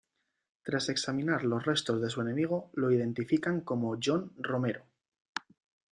Tras examinar los restos de su enemigo lo identifican como John Romero.